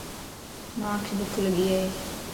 مانک بُکَ لڳي ائي